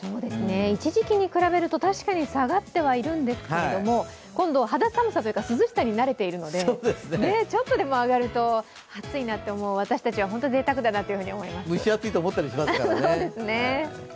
一時期に比べると確かに下がってはいるんですが、今度は肌寒さというか涼しさに慣れているので、ちょっとでも上がると、暑いなって思う私たちは蒸し暑いと思ったりしますからね。